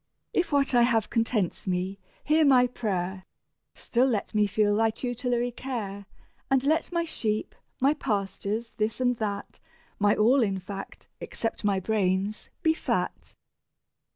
If what I have contents me, hear my prayer: Still let me feel thy tutelary care, And let my sheep, my pastures, this and that, My all, in fact, (except my brains,) be fat.